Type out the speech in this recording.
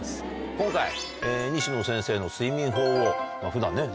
今回西野先生の睡眠法を。